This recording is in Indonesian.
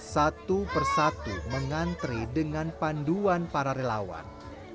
satu persatu mengantri dengan panduan para relawan